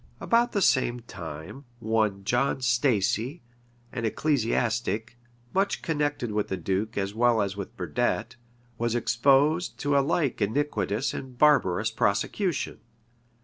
[*] About the same time, one John Stacey, an ecclesiastic, much connected with the duke as well as with Burdet, was exposed to a like iniquitous and barbarous prosecution.